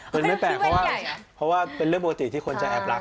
มันไม่แปลกเพราะว่าเพราะว่าเป็นเรื่องปกติที่คนจะแอบรัก